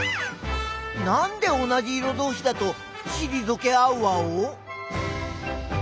なんで同じ色どうしだとしりぞけ合うワオ？